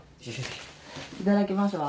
「いただきます」は？